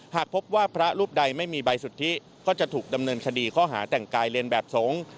หากพบว่าพระรูปใดไม่มีใบสุทธิก็จะถูกดำเนินคดีข้อหาแต่งกายเรียนแบบสงฆ์